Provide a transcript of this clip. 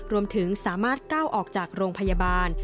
รวมถึงสามารถก้าวออกจากโรงพยาบาล